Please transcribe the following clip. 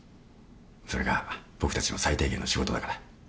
それが僕たちの最低限の仕事だから。